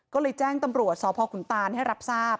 ก็เลยแจ้งตำรวจสพขุนตานให้รับทราบ